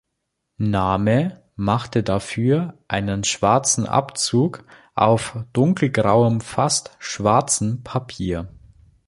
Name machte dafür einen schwarzen Abzug auf dunkelgrauem, fast schwarzen, Papier.